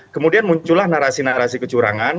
kemudian muncullah narasi narasi kecurangan